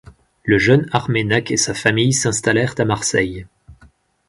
Le jeune Arménak et sa famille s'installèrent à Marseille.